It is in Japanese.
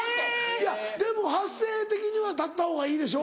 いやでも発声的には立ったほうがいいでしょ？